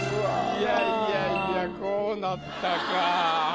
いやいやいやこうなったか。